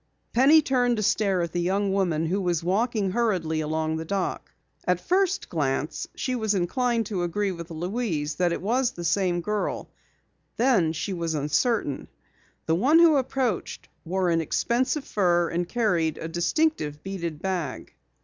Penny turned to stare at the young woman who was walking hurriedly along the dock. At first glance she was inclined to agree with Louise that it was the same girl, then she was uncertain. The one who approached wore an expensive fur and carried a distinctive beaded bag.